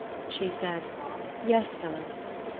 She said, "Yes, Philip."